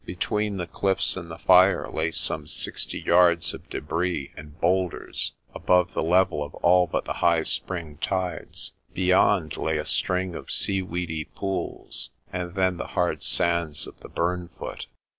Between the cliffs and the fire lay some sixty yards of debris and boulders above the level of all but the 18 PRESTER JOHN high spring tides. Beyond lay a string of seaweedy pools and then the hard sands of the burnfoot.